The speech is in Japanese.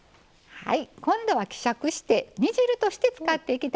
はい。